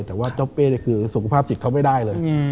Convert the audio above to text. แต่ว่าเจ้าเป้คือสุขภาพจิตเขาไม่ได้เลย